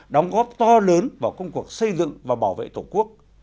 đóng góp to lớn vào công cuộc xây dựng và bảo vệ tổ quốc